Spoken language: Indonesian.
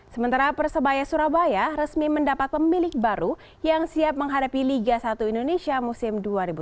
sementara persebaya surabaya resmi mendapat pemilik baru yang siap menghadapi liga satu indonesia musim dua ribu tujuh belas